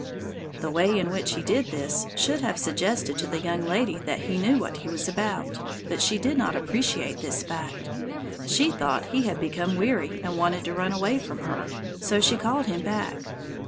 The way in which he did this should have suggested to the young lady that he knew what he was about, but she did not appreciate this fact. She thought he had become weary and wanted to run away from her, so she called him back.